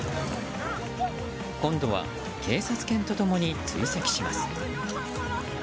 今度は警察犬と共に追跡します。